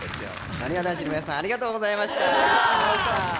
なにわ男子の皆さんありがとうございました。